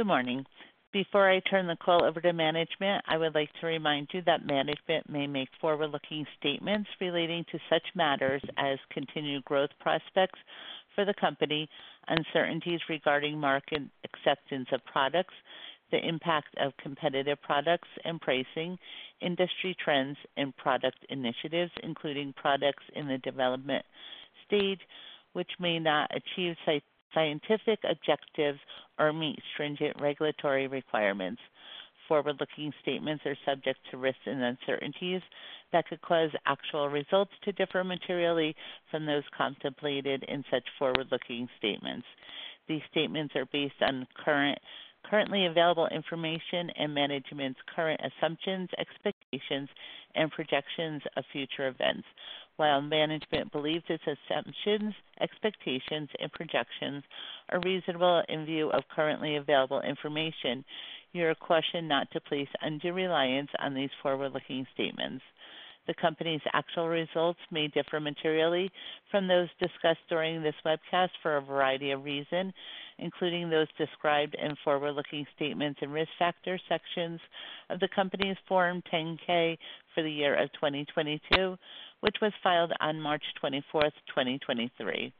Good morning. Before I turn the call over to management, I would like to remind you that management may make forward-looking statements relating to such matters as continued growth prospects for the company, uncertainties regarding market acceptance of products, the impact of competitive products and pricing, industry trends and product initiatives, including products in the development stage, which may not achieve scientific objectives or meet stringent regulatory requirements. Forward-looking statements are subject to risks and uncertainties that could cause actual results to differ materially from those contemplated in such forward-looking statements. These statements are based on current, currently available information and management's current assumptions, expectations, and projections of future events. While management believes its assumptions, expectations, and projections are reasonable in view of currently available information, you are cautioned not to place undue reliance on these forward-looking statements. The company's actual results may differ materially from those discussed during this webcast for a variety of reasons, including those described in forward-looking statements and risk factor sections of the company's Form 10-K for the year of 2022, which was filed on March 24th, 2023,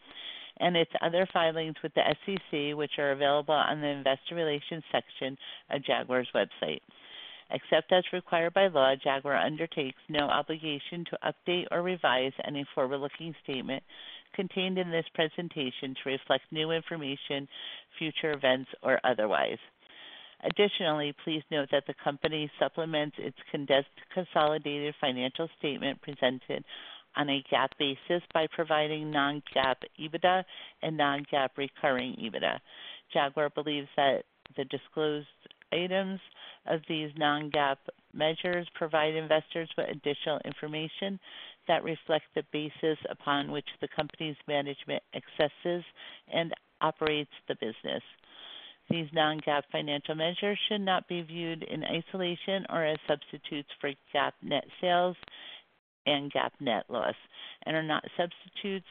and its other filings with the SEC, which are available on the Investor Relations section of Jaguar's website. Except as required by law, Jaguar undertakes no obligation to update or revise any forward-looking statement contained in this presentation to reflect new information, future events, or otherwise. Additionally, please note that the company supplements its condensed consolidated financial statement presented on a GAAP basis by providing non-GAAP EBITDA and non-GAAP recurring EBITDA. Jaguar believes that the disclosed items of these non-GAAP measures provide investors with additional information that reflects the basis upon which the company's management assesses and operates the business. These non-GAAP financial measures should not be viewed in isolation or as substitutes for GAAP net sales and GAAP net loss, and are not substitutes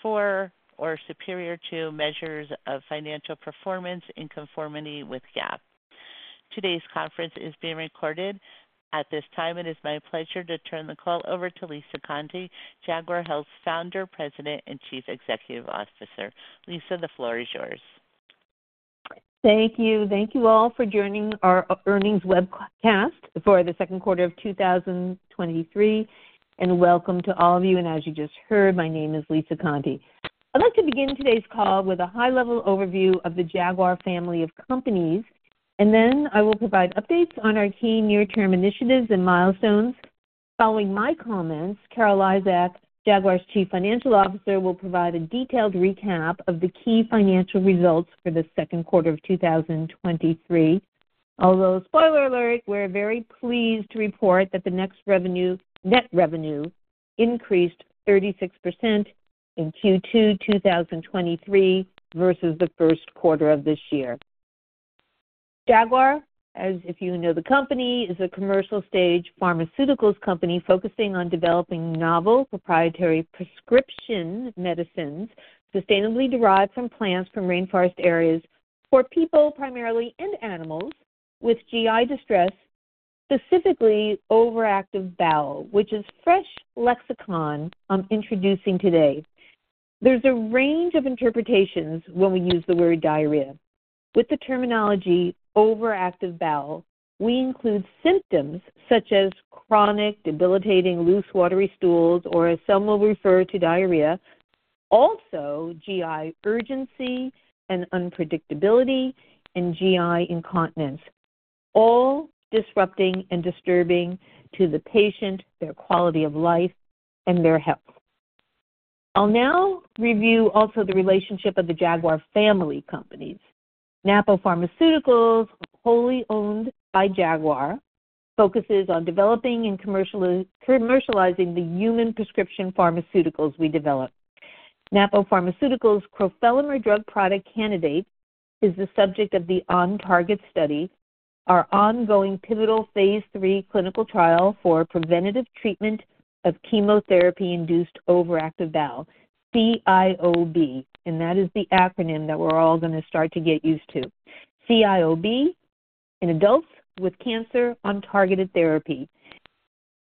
for or superior to measures of financial performance in conformity with GAAP. Today's conference is being recorded. At this time, it is my pleasure to turn the call over to Lisa Conte, Jaguar Health's Founder, President, and Chief Executive Officer. Lisa, the floor is yours. Thank you. Thank you all for joining our earnings webcast for the second quarter of 2023, and welcome to all of you. As you just heard, my name is Lisa Conte. I'd like to begin today's call with a high-level overview of the Jaguar family of companies, and then I will provide updates on our key near-term initiatives and milestones. Following my comments, Carol Lizak, Jaguar's Chief Financial Officer, will provide a detailed recap of the key financial results for the second quarter of 2023. Although, spoiler alert, we're very pleased to report that net revenue increased 36% in Q2 2023 versus the first quarter of this year. Jaguar, as if you know, the company is a commercial stage pharmaceuticals company focusing on developing novel proprietary prescription medicines sustainably derived from plants, from rainforest areas for people primarily, and animals with GI distress, specifically overactive bowel, which is fresh lexicon I'm introducing today. There's a range of interpretations when we use the word diarrhea. With the terminology overactive bowel, we include symptoms such as chronic, debilitating, loose, watery stools, or as some will refer to, diarrhea. Also, GI urgency and unpredictability, and GI incontinence, all disrupting and disturbing to the patient, their quality of life, and their health. I'll now review the relationship of the Jaguar family companies. Napo Pharmaceuticals, wholly owned by Jaguar, focuses on developing and commercializing the human prescription pharmaceuticals we develop. Napo Pharmaceuticals' crofelemer drug product candidate is the subject of the OnTarget study, our ongoing pivotal phase III clinical trial for the preventative treatment of chemotherapy-induced overactive bowel, CIOB, and that is the acronym that we're all going to start to get used to. CIOB in adults with cancer on targeted therapy.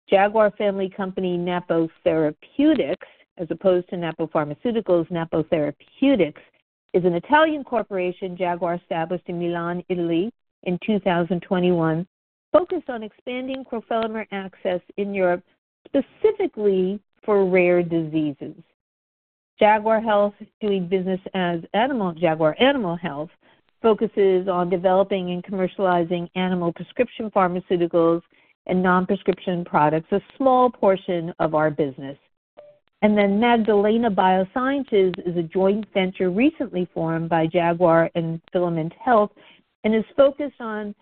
Jaguar family company, Napo Therapeutics, as opposed to Napo Pharmaceuticals. Napo Therapeutics is an Italian corporation Jaguar established in Milan, Italy, in 2021, focused on expanding crofelemer access in Europe, specifically for rare diseases. Jaguar Health is doing business as Jaguar Animal Health. Jaguar Animal Health focuses on developing and commercializing animal prescription, pharmaceuticals, and non-prescription products, a small portion of our business. Magdalena Biosciences is a joint venture recently formed by Jaguar and Filament Health and is focused on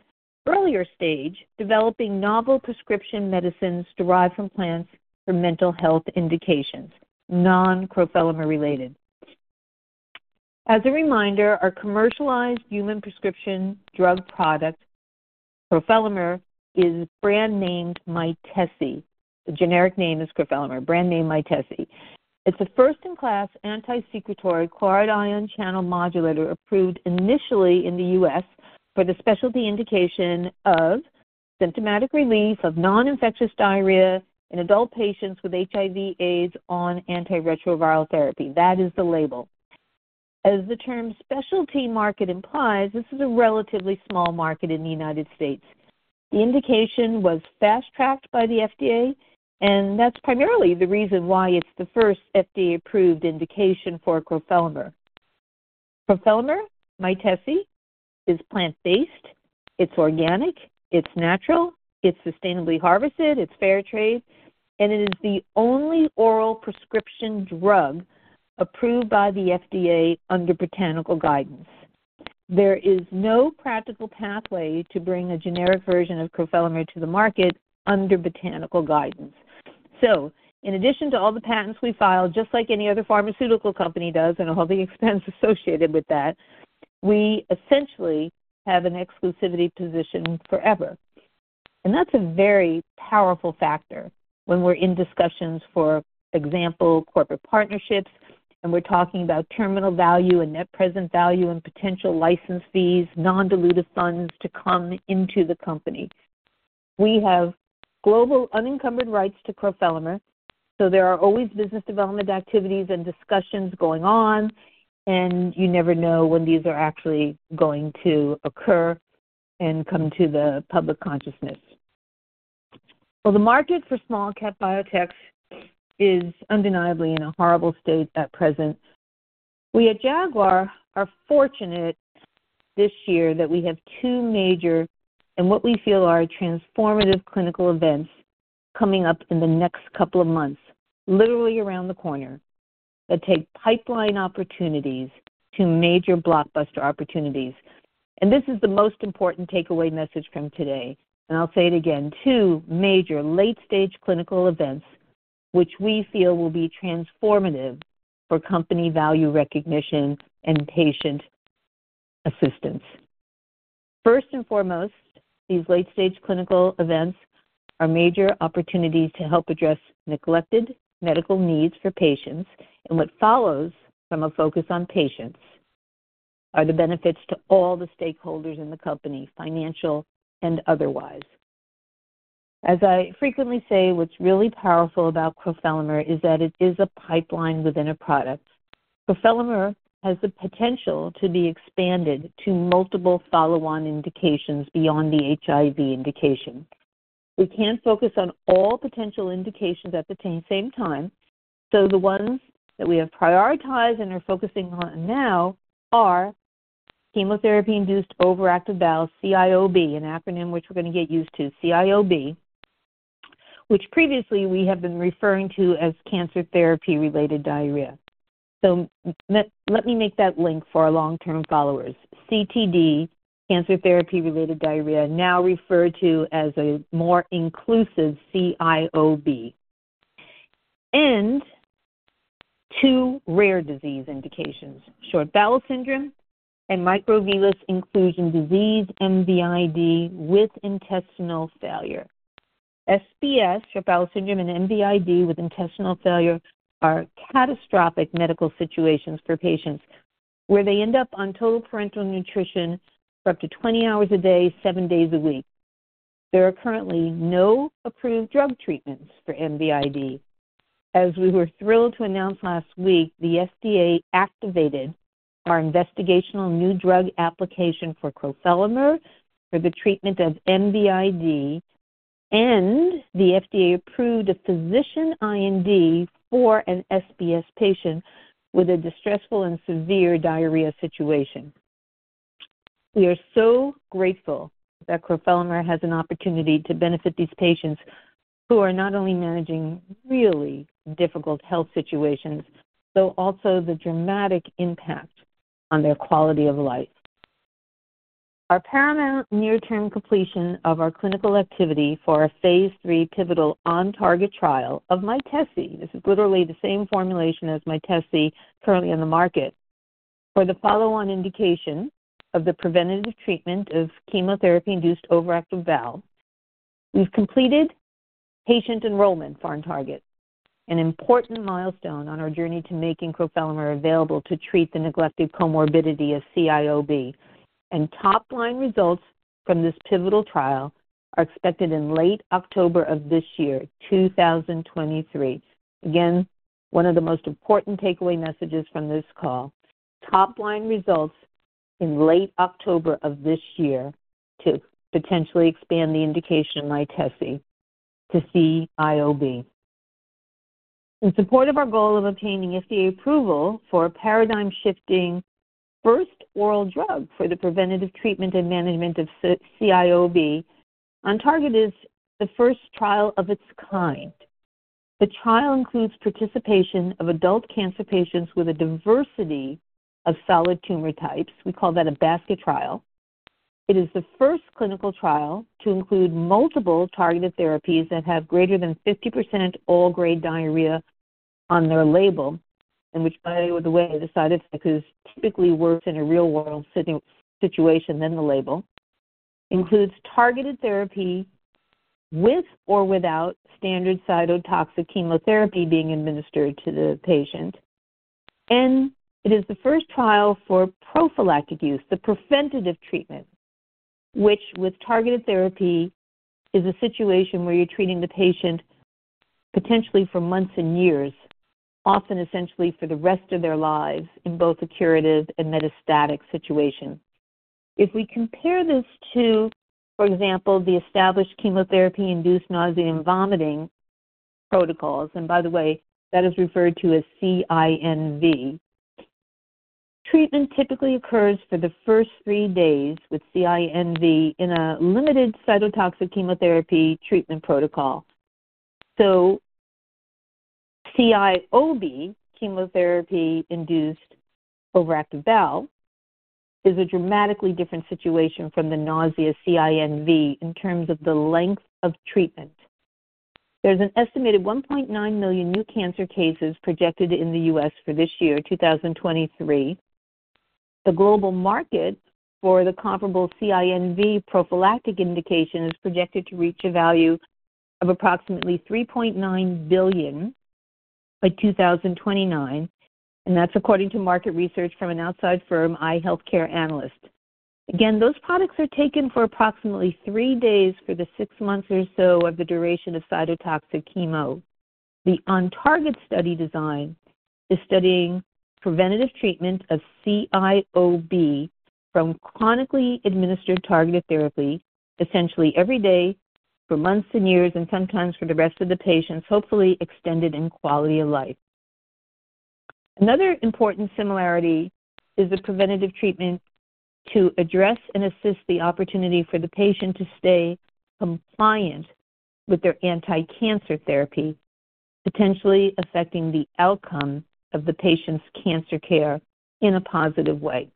earlier stage, developing novel prescription medicines derived from plants for mental health indications, non-crofelemer related. As a reminder, our commercialized human prescription drug product, crofelemer, is brand-named Mytesi. The generic name is crofelemer, brand-named Mytesi. It's a first-in-class, anti-secretory chloride ion channel modulator, approved initially in the U.S. for the specialty indication of symptomatic relief of non-infectious diarrhea in adult patients with HIV/AIDS on antiretroviral therapy. That is the label. As the term specialty market implies, this is a relatively small market in the United States. The indication was fast-tracked by the FDA; that's primarily the reason why it's the first FDA-approved indication for crofelemer. Crofelemer, Mytesi, is plant-based, it's organic, it's natural, it's sustainably harvested, it's fair trade, and it is the only oral prescription drug approved by the FDA under Botanical Guidance. There is no practical pathway to bring a generic version of crofelemer to the market under Botanical Guidance. In addition to all the patents we filed, just like any other pharmaceutical company does, and all the expenses associated with that, we essentially have an exclusivity position forever. That's a very powerful factor when we're in discussions, for example, corporate partnerships, and we're talking about terminal value and net present value and potential license fees, non-dilutive funds to come into the company. We have global unencumbered rights to crofelemer, so there are always business development activities and discussions going on, and you never know when these are actually going to occur and come to the public consciousness. The market for small-cap biotechs is undeniably in a horrible state at present. We at Jaguar are fortunate this year that we have two major, and what we feel are transformative clinical events, coming up in the next couple of months, literally around the corner, that take pipeline opportunities to major blockbuster opportunities. This is the most important takeaway message from today, and I'll say it again: two major late-stage clinical events, which we feel will be transformative for company value recognition and patient assistance. First and foremost, these late-stage clinical events are major opportunities to help address neglected medical needs for patients, and what follows from a focus on patients are the benefits to all the stakeholders in the company, financial and otherwise. As I frequently say, what's really powerful about crofelemer is that it is a pipeline within a product. Crofelemer has the potential to be expanded to multiple follow-on indications beyond the HIV indication. We can't focus on all potential indications at the same time. The ones that we have prioritized and are focusing on now are chemotherapy-induced overactive bowel, CIOB, an acronym which we're going to get used to, CIOB, which previously we have been referring to as cancer therapy-related diarrhea. let, let me make that link for our long-term followers. CTD, cancer therapy-related diarrhea, is now referred to as a more inclusive CIOB. Two rare disease indications, short bowel syndrome and microvillus inclusion disease (MVID), with intestinal failure. SBS, short bowel syndrome, and MVID with intestinal failure are catastrophic medical situations for patients, where they end up on total parenteral nutrition for up to 20 hours a day, seven days a week. There are currently no approved drug treatments for MVID. As we were thrilled to announce last week, the FDA activated our Investigational New Drug application for crofelemer for the treatment of MVID, and the FDA approved a physician IND for an SBS patient with a distressful and severe diarrhea situation. We are so grateful that crofelemer has an opportunity to benefit these patients, who are not only managing really difficult health situations, but also the dramatic impact on their quality of life. The paramount near-term completion of our clinical activity for our Phase III pivotal OnTarget trial of Mytesi, which is literally the same formulation as Mytesi currently on the market. For the follow-on indication of the preventative treatment of chemotherapy-induced overactive bowel, we've completed patient enrollment for OnTarget, an important milestone on our journey to making crofelemer available to treat the neglected comorbidity of CIOB. Top-line results from this pivotal trial are expected in late October of this year, 2023. Again, one of the most important takeaway messages from this call is the top-line results in late October of this year to potentially expand the indication of Mytesi to CIOB. In support of our goal of obtaining FDA approval for a paradigm-shifting first oral drug for the preventative treatment and management of CIOB, OnTarget is the first trial of its kind. The trial includes participation of adult cancer patients with a diversity of solid tumor types. We call that a basket trial. It is the first clinical trial to include multiple targeted therapies that have greater than 50% all-grade diarrhea on their label, and which, by the way, they decided because it typically works in a real-world setting situation than the label. Includes targeted therapy with or without standard cytotoxic chemotherapy being administered to the patient. It is the first trial for prophylactic use, the preventative treatment, which with targeted therapy, is a situation where you're treating the patient potentially for months and years, often essentially for the rest of their lives, in both a curative and metastatic situation. If we compare this to, for example, the established chemotherapy-induced nausea and vomiting protocols, and by the way, that is referred to as CINV. Treatment typically occurs for the first three days with CINV in a limited cytotoxic chemotherapy treatment protocol. CIOB, chemotherapy-induced overactive bowel, is a dramatically different situation from the nausea CINV in terms of the length of treatment. There's an estimated 1.9 million new cancer cases projected in the U.S. for this year, 2023. The global market for the comparable CINV prophylactic indication is projected to reach a value of approximately $3.9 billion by 2029, and that's according to market research from an outside firm, iHealthcareAnalyst. Again, those products are taken for approximately three days for the six months or so of the duration of cytotoxic chemo. The OnTarget study design is studying the preventative treatment of CIOB from chronically administered targeted therapy, essentially every day for months and years, and sometimes for the rest of the patients, hopefully extended in quality of life. Another important similarity is the preventative treatment to address and assist the opportunity for the patient to stay compliant with their anticancer therapy, potentially affecting the outcome of the patient's cancer care in a positive way.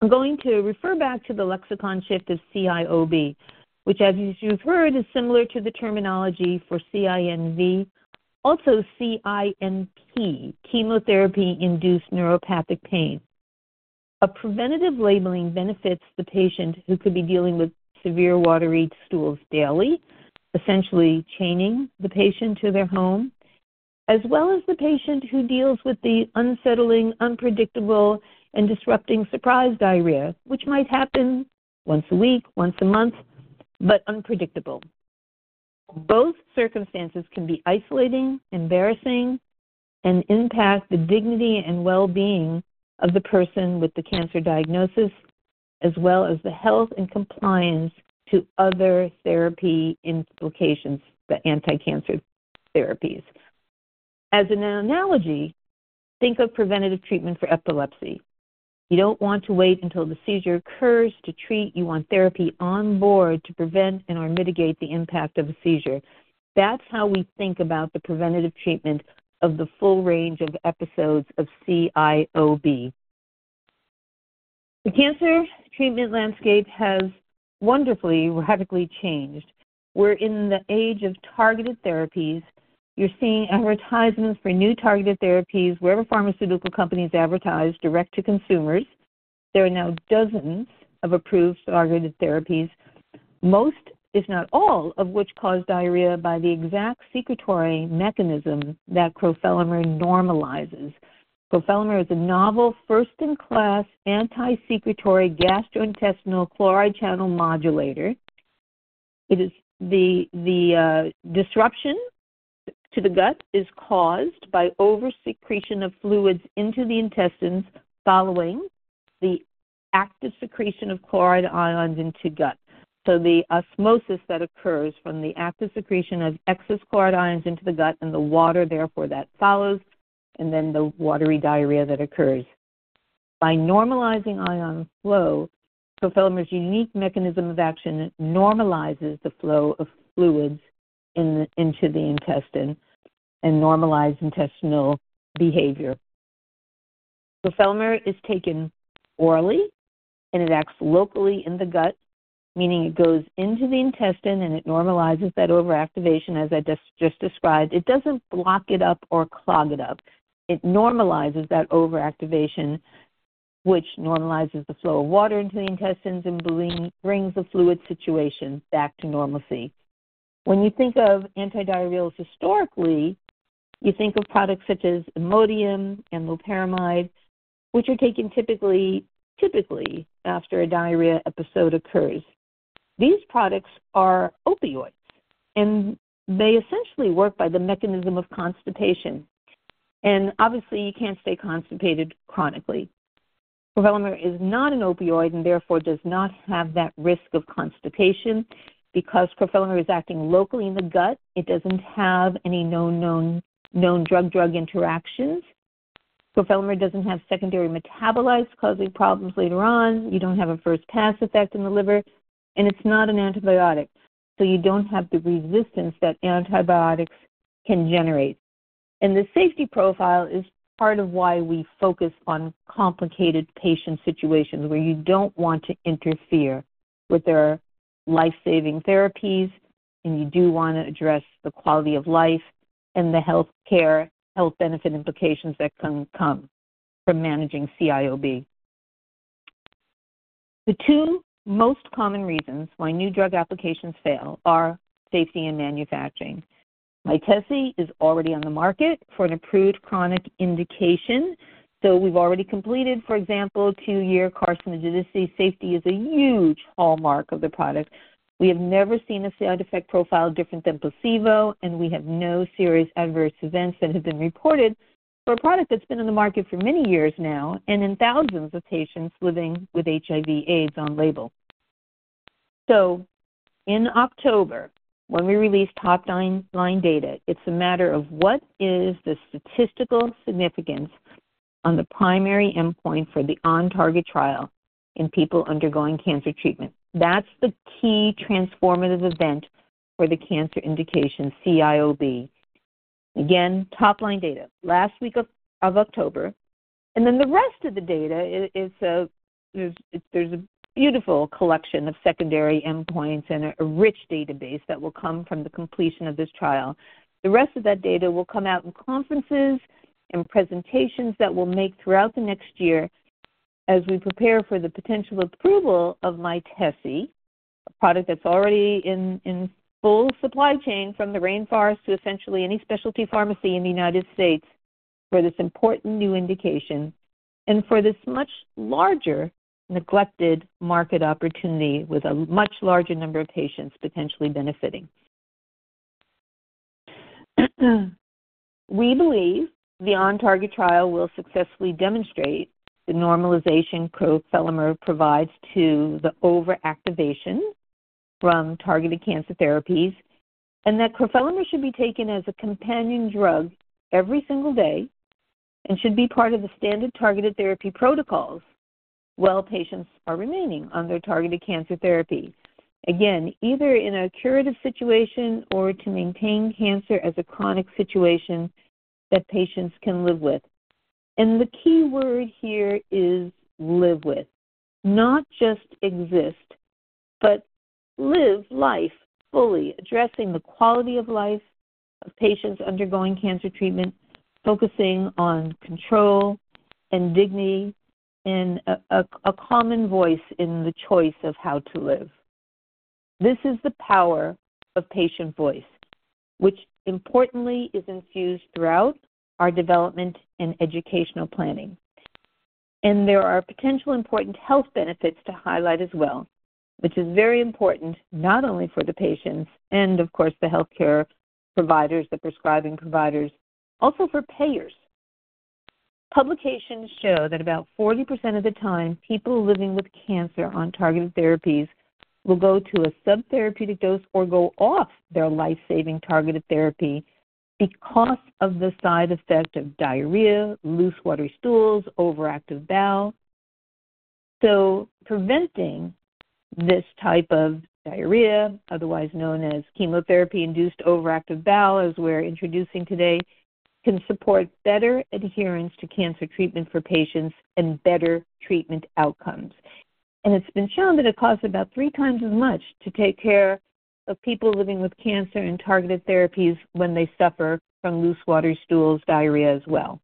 I'm going to refer back to the lexicon shift of CIOB, which, as you've heard, is similar to the terminology for CINV. CINP, chemotherapy-induced neuropathic pain. Preventive labeling benefits the patient who could be dealing with severe watery stools daily, essentially chaining the patient to their home, as well as the patient who deals with the unsettling, unpredictable, and disruptive surprise diarrhea, which might happen once a week, once a month, but is unpredictable. Both circumstances can be isolating, embarrassing, and impact the dignity and well-being of the person with the cancer diagnosis, as well as the health and compliance with other therapy implications, such as anticancer therapies. As an analogy, think of preventative treatment for epilepsy. You don't want to wait until the seizure occurs to treat. You want therapy on board to prevent and/or mitigate the impact of a seizure. That's how we think about the preventative treatment of the full range of episodes of CIOB. The cancer treatment landscape has wonderfully, radically changed. We're in the age of targeted therapies. You're seeing advertisements for new targeted therapies wherever pharmaceutical companies advertise Direct-to-Consumers. There are now dozens of approved targeted therapies, most, if not all, of which cause diarrhea by the exact secretory mechanism that crofelemer normalizes. Crofelemer is a novel first-in-class, anti-secretory, gastrointestinal chloride channel modulator. It is the, the disruption to the gut is caused by the oversecretion of fluids into the intestines following the active secretion of chloride ions into the gut. The osmosis that occurs from the active secretion of excess chloride ions into the gut and the water, therefore, follows, and then the watery diarrhea occurs. By normalizing ion flow, crofelemer's unique mechanism of action normalizes the flow of fluids into the intestine and normalizes intestinal behavior. Crofelemer is taken orally, and it acts locally in the gut, meaning it goes into the intestine, and it normalizes that overactivation, as I just described. It doesn't block it up or clog it up. It normalizes that overactivation, which normalizes the flow of water into the intestines and brings the fluid situation back to normalcy. When you think of antidiarrheals historically, you think of products such as Imodium and loperamide, which are typically taken after a diarrhea episode occurs. These products are opioids, and they essentially work by the mechanism of constipation, and obviously, you can't stay constipated chronically. Crofelemer is not an opioid and therefore does not have that risk of constipation. Because crofelemer is acting locally in the gut, it doesn't have any known, known, known drug-drug interactions. Crofelemer doesn't have secondary metabolites, causing problems later on. You don't have a first-pass effect in the liver, and it's not an antibiotic, so you don't have the resistance that antibiotics can generate. The safety profile is part of why we focus on complicated patient situations where you don't want to interfere with life-saving therapies, and you do want to address the quality of life and the healthcare benefit implications that can come from managing CIOB. The two most common reasons why new drug applications fail are safety and manufacturing. Mytesi is already on the market for an approved chronic indication, so we've already completed, for example, two-year carcinogenicity. Safety is a huge hallmark of the product. We have never seen a side effect profile different than placebo, and we have no serious adverse events that have been reported for a product that's been on the market for many years now, and in thousands of patients living with HIV/AIDS on label. In October, when we release top-line data, it's a matter of what is the statistical significance on the primary endpoint for the OnTarget trial in people undergoing cancer treatment? That's the key transformative event for the cancer indication, CIOB. Again, top-line data, last week of October, and then the rest of the data is, there's a beautiful collection of secondary endpoints and a rich database that will come from the completion of this trial. The rest of that data will come out in conferences and presentations that we'll make throughout the next year as we prepare for the potential approval of Mytesi, a product that's already in, in full supply chain from the rainforest to essentially any specialty pharmacy in the United States for this important new indication and for this much larger neglected market opportunity with a much larger number of patients potentially benefiting. We believe the OnTarget trial will successfully demonstrate the normalization crofelemer provides to the overactivation from targeted cancer therapies, and that crofelemer should be taken as a companion drug every single day and should be part of the standard targeted therapy protocols while patients are remaining on their targeted cancer therapy. Again, either in a curative situation or to maintain cancer as a chronic situation that patients can live with. The keyword here is live with. Not just exist, but live life fully, addressing the quality of life of patients undergoing cancer treatment, focusing on control and dignity, and a common voice in the choice of how to live. This is the power of patient voice, which, importantly, is infused throughout our development and educational planning. There are potentially important health benefits to highlight as well, which is very important not only for the patients and of course, the healthcare providers, the prescribing providers, also for payers. Publications show that about 40% of the time, people living with cancer on targeted therapies will go to a subtherapeutic dose or go off their life-saving targeted therapy because of the side effect of diarrhea, loose, watery stools, or overactive bowel. Preventing this type of diarrhea, otherwise known as chemotherapy-induced overactive bowel, as we're introducing today, can support better adherence to cancer treatment for patients and better treatment outcomes. It's been shown that it costs about 3x as much to take care of people living with cancer and targeted therapies when they suffer from loose, watery stools, diarrhea as well.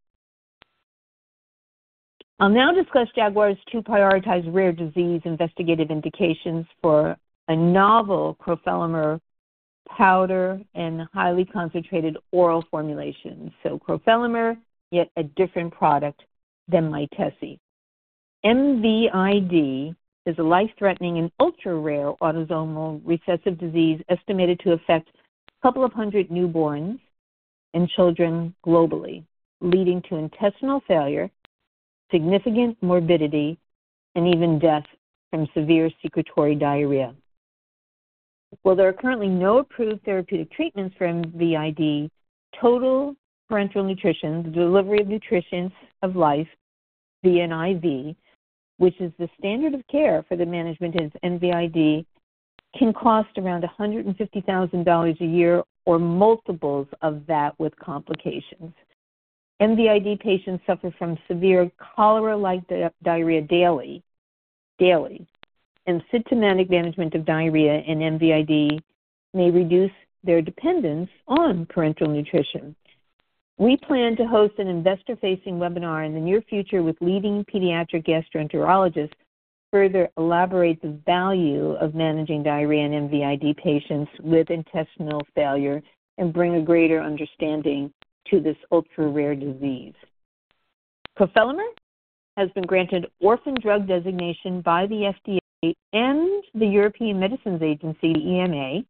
I'll now discuss Jaguar's two prioritized rare disease investigative indications for a novel crofelemer powder and highly concentrated oral formulation. Crofelemer is yet a different product than Mytesi. MVID is a life-threatening and ultra-rare autosomal recessive disease estimated to affect a couple of 100 newborns and children globally, leading to intestinal failure, significant morbidity, and even death from severe secretory diarrhea. While there are currently no approved therapeutic treatments for MVID, total parenteral nutrition, the delivery of nutrition of life, MVID, which is the standard of care for the management of MVID, can cost around $150,000 a year or multiples of that with complications. MVID patients suffer from severe cholera-like diarrhea daily. Daily. Symptomatic management of diarrhea in MVID may reduce their dependence on parenteral nutrition. We plan to host an investor-facing webinar in the near future with leading pediatric gastroenterologists to further elaborate on the value of managing diarrhea in MVID patients with intestinal failure and bring a greater understanding to this ultra-rare disease. Crofelemer has been granted orphan drug designation by the FDA and the European Medicines Agency (EMA),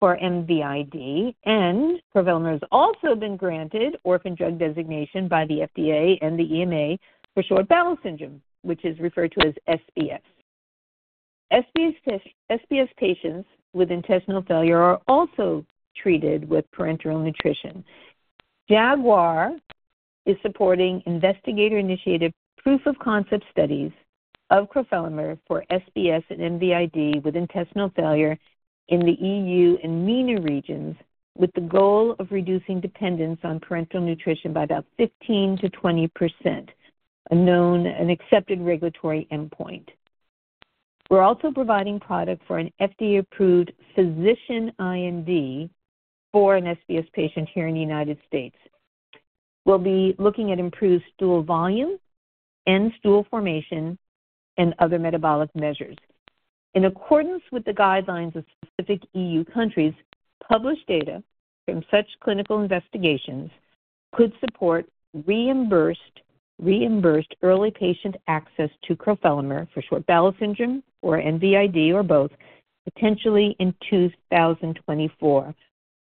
for MVID, and crofelemer has also been granted orphan drug designation by the FDA and the EMA for short bowel syndrome, which is referred to as SBS. SBS, SBS patients with intestinal failure are also treated with parenteral nutrition. Jaguar is supporting investigator-initiated proof of concept studies of crofelemer for SBS and MVID with intestinal failure in the EU and MENA regions, with the goal of reducing dependence on parenteral nutrition by about 15%-20%, a known and accepted regulatory endpoint. We're also providing a product for an FDA-approved physician IND for an SBS patient here in the United States. We'll be looking at improved stool volume, stool formation, and other metabolic measures. In accordance with the guidelines of specific EU countries, published data from such clinical investigations could support reimbursed, reimbursed early patient access to crofelemer for short bowel syndrome, or MVID, or both, potentially in 2024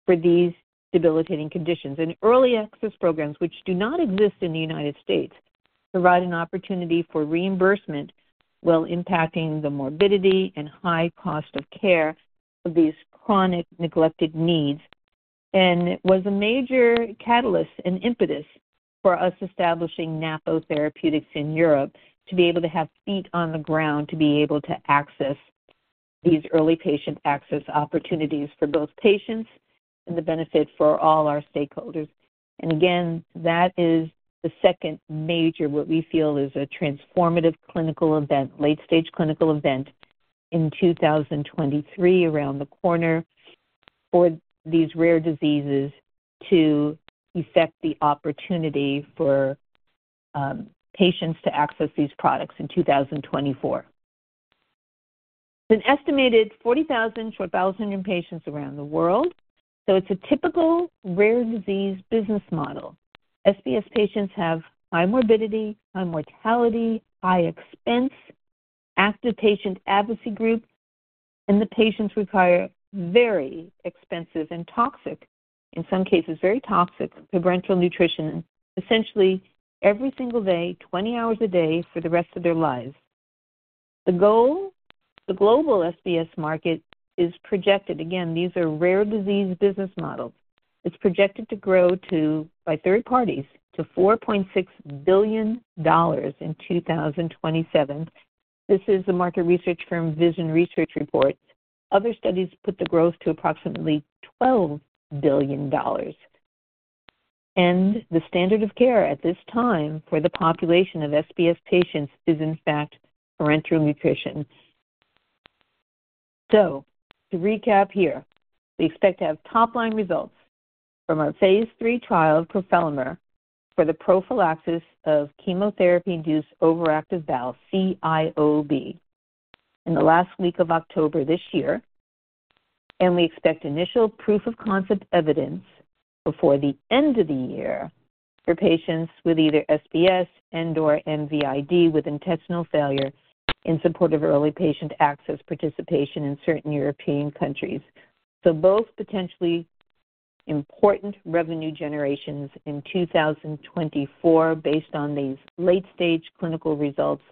for these debilitating conditions. Early access programs, which do not exist in the United States, provide an opportunity for reimbursement while impacting the morbidity and high cost of care of these chronic, neglected needs, and was a major catalyst and impetus for us establishing Napo Therapeutics in Europe, to be able to have feet on the ground, to be able to access these early patient access opportunities for both patients and the benefit for all our stakeholders. Again, that is the second major, what we feel is a transformative clinical event, a late-stage clinical event in 2023, around the corner for these rare diseases to affect the opportunity for patients to access these products in 2024. An estimated 40,000 short bowel syndrome patients around the world, so it's a typical rare disease business model. SBS patients have high morbidity, high mortality, high expense, an active patient advocacy group, and the patients require very expensive and toxic, in some cases very toxic parenteral nutrition, essentially every single day, 20 hours a day, for the rest of their lives. The global SBS market is projected, again, these are rare disease business models. It's projected to grow, by third parties, to $4.6 billion in 2027. This is the market research firm Vision Research Reports. Other studies put the growth to approximately $12 billion. The standard of care at this time for the population of SBS patients is, in fact, parenteral nutrition. To recap here, we expect to have top-line results from our phase III trial of crofelemer for the prophylaxis of chemotherapy-induced overactive bowel, CIOB, in the last week of October this year, and we expect initial proof of concept evidence before the end of the year for patients with either SBS and/or MVID with intestinal failure in support of early patient access participation in certain European countries. Both are potentially important revenue-generating in 2024, based on these late-stage clinical results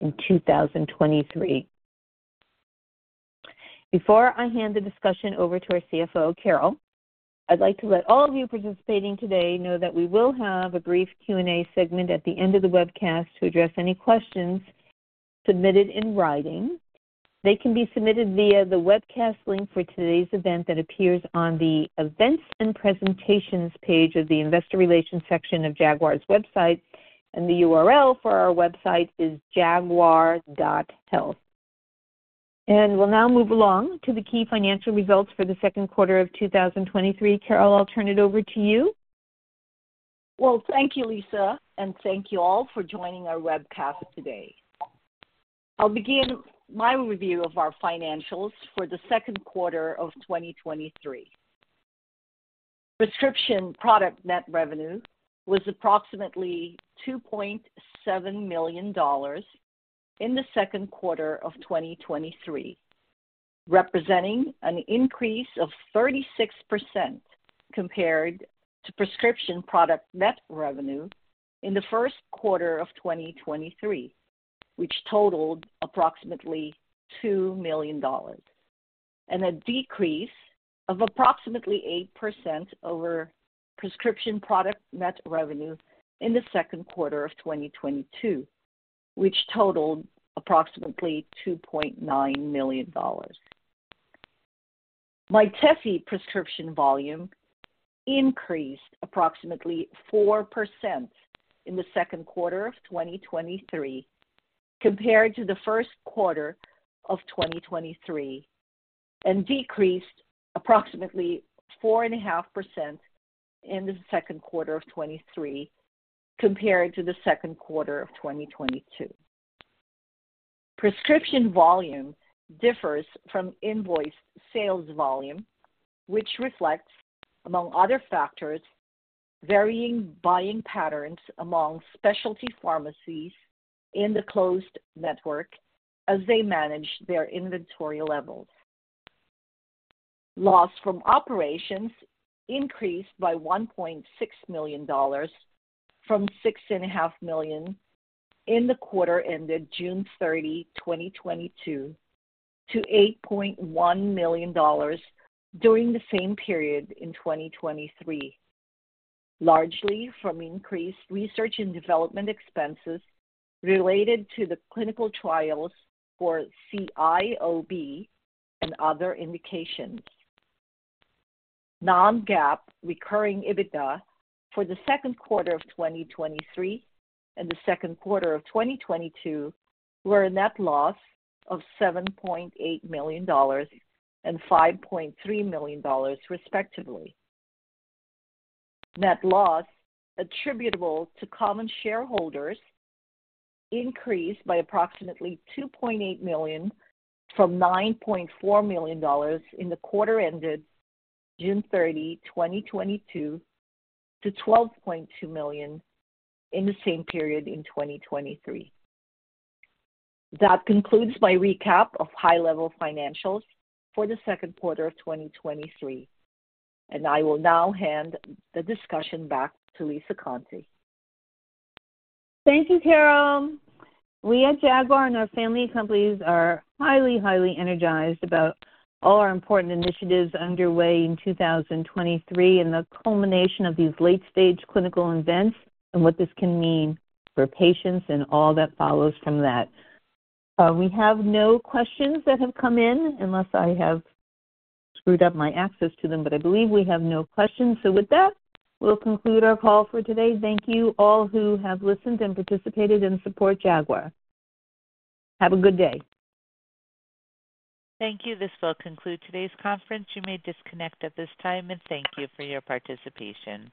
in 2023. Before I hand the discussion over to our CFO, Carol, I'd like to let all of you participating today know that we will have a brief Q&A segment at the end of the webcast to address any questions submitted in writing. They can be submitted via the webcast link for today's event that appears on the Events and Presentations page of the Investor Relations section of Jaguar's website. The URL for our website is jaguar.health. We'll now move along to the key financial results for the second quarter of 2023. Carol, I'll turn it over to you. Well, thank you, Lisa, and thank you all for joining our webcast today. I'll begin my review of our financials for the second quarter of 2023. Prescription product net revenue was approximately $2.7 million in the second quarter of 2023, representing an increase of 36% compared to prescription product net revenue in the first quarter of 2023, which totaled approximately $2 million, and a decrease of approximately 8% over prescription product net revenue in the second quarter of 2022, which totaled approximately $2.9 million. Mytesi prescription volume increased approximately 4% in the second quarter of 2023, compared to the first quarter of 2023, and decreased approximately 4.5% in the second quarter of 2023, compared to the second quarter of 2022. Prescription volume differs from invoiced sales volume, which reflects, among other factors, varying buying patterns among specialty pharmacies in the closed network as they manage their inventory levels. Loss from operations increased by $1.6 million from $6.5 million in the quarter ended June 30, 2022, to $8.1 million during the same period in 2023, largely from increased research and development expenses related to the clinical trials for CIOB and other indications. Non-GAAP recurring EBITDA for the second quarter of 2023 and the second quarter of 2022 were a net loss of $7.8 million and $5.3 million, respectively. Net loss attributable to common shareholders increased by approximately $2.8 million, from $9.4 million in the quarter ended June 30, 2022, to $12.2 million in the same period in 2023. That concludes my recap of high-level financials for the second quarter of 2023, and I will now hand the discussion back to Lisa Conte. Thank you, Carol. We at Jaguar and our family companies are highly, highly energized about all our important initiatives underway in 2023 and the culmination of these late-stage clinical events and what this can mean for patients and all that follows from that. We have no questions that have come in, unless I have screwed up my access to them, but I believe we have no questions. With that, we'll conclude our call for today. Thank you to all who have listened, participated, and supported Jaguar. Have a good day. Thank you. This will conclude today's conference. You may disconnect at this time. Thank you for your participation.